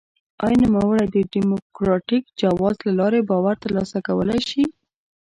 آیا نوموړی د ډیموکراټیک جواز له لارې باور ترلاسه کولای شي؟